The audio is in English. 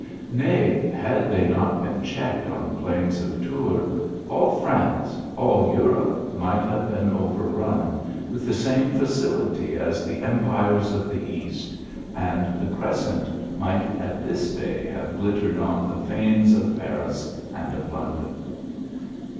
Nay, had they not been checked on the Elains of Tours, all France, all Europe, might have een overrun with the same facility as the empires of the east, and the crescent might at this day have glittered on the fanes of Paris and of London.